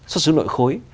xuất xứ nội khối